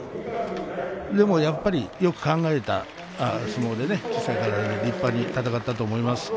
でも、やっぱりよく考えた相撲で立派に戦ったと思います。